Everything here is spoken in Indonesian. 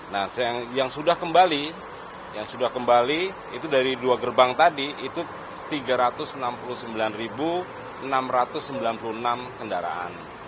nah yang sudah kembali yang sudah kembali itu dari dua gerbang tadi itu tiga ratus enam puluh sembilan enam ratus sembilan puluh enam kendaraan